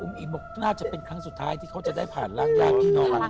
อุ้มอิบบอกน่าจะเป็นครั้งสุดท้ายที่เขาจะได้ผ่านลางยาพี่น้องอ่อนมาก